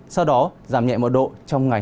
sau đó giảm nhẹ một độ trong ngày hai mươi bảy